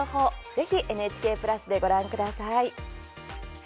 ぜひＮＨＫプラスでご覧ください。